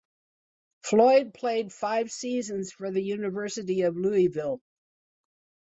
Floyd played five seasons for the University of Louisville.